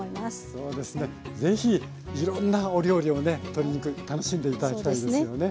そうですねぜひいろんなお料理をね鶏肉楽しんで頂きたいですよね。